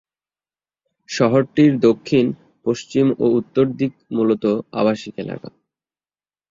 শহরটির দক্ষিণ, পশ্চিম ও উত্তর দিক মূলত আবাসিক এলাকা।